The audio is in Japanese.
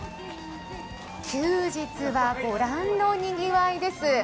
休日は御覧の賑わいです。